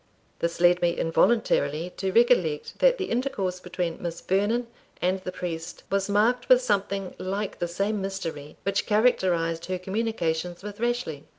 This led me involuntarily to recollect that the intercourse between Miss Vernon and the priest was marked with something like the same mystery which characterised her communications with Rashleigh.